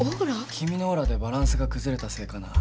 君のオーラでバランスが崩れたせいかな。